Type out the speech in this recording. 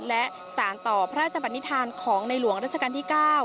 และสารต่อพระราชบันนิษฐานของในหลวงราชการที่๙